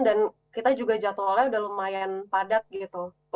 dan kita juga jadwalnya udah lumayan padat gitu